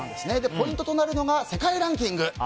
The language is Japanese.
ポイントとなるのが世界ランキング。